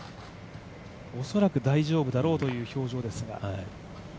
恐らく大丈夫だろうという表情ですが。